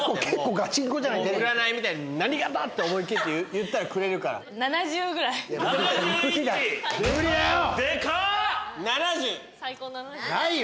占いみたいに「何型」って思い切って言ったらくれるから。ないよ。